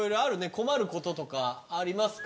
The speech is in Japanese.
困ることとかありますか？